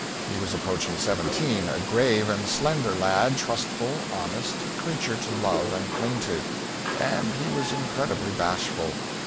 He was approaching seventeen, a grave and slender lad, trustful, honest, a creature to love and cling to. And he was incredibly bashful.